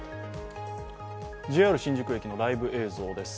ＪＲ新宿駅のライブ映像です。